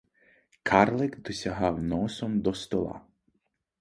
Карлик досягав носом до стола.